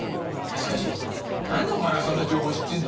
しかしなんでお前がそんな情報知ってんだ？